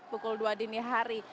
pukul dua dini hari